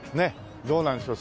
どうなんでしょう？